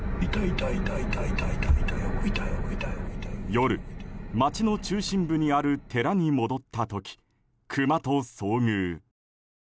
夜、町の中心部にある寺に戻った時、クマと遭遇。